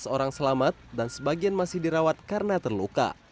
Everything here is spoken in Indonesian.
sebelas orang selamat dan sebagian masih dirawat karena terluka